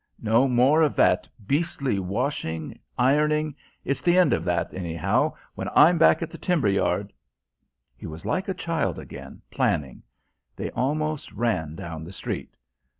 "No more of that beastly washing, ironing it's the end of that, anyhow. When I'm back at the timber yard " He was like a child again, planning; they almost ran down the street.